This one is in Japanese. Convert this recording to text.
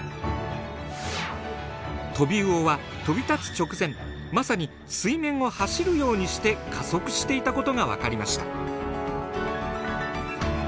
トビウオは飛び立つ直前まさに水面を走るようにして加速していたことが分かりました。